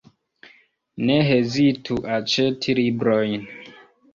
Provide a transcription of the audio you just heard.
Ne hezitu aĉeti librojn!